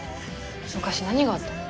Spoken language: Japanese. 昔何があったの？